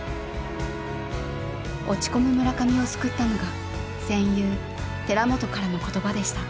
落ち込む村上を救ったのが“戦友”寺本からの言葉でした。